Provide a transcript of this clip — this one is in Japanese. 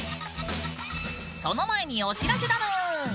その前にお知らせだぬーん！